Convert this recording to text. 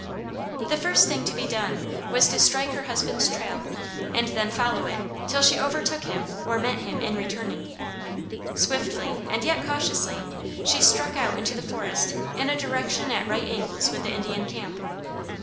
The first thing to be done was to strike her husband's trail and then follow it till she overtook him or met him returning. Swiftly, and yet cautiously, she struck out into the forest in a direction at right angles with the Indian camp.